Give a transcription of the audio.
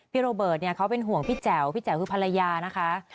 โรเบิร์ตเนี่ยเขาเป็นห่วงพี่แจ๋วพี่แจ๋วคือภรรยานะคะ